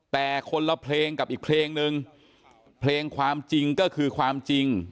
แต่คนละเพลงกับอีกเพลงนึงเพลงความจริงก็คือความจริง